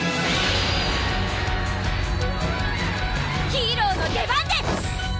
ヒーローの出番です！